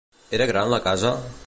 Era gran la casa?